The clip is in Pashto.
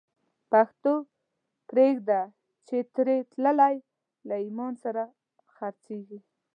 پښتو پریږده چی تری تللی، له ایمان سره خرڅیږی